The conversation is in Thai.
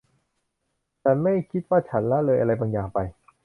ฉันไม่คิดว่าฉันละเลยอะไรบางอย่างไป